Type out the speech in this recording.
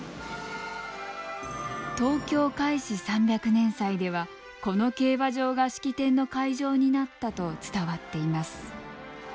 東京開市三百年祭ではこの競馬場が式典の会場になったと伝わっています。